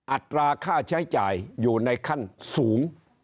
อัตราค่าใช้จ่ายอยู่ในขั้นสูง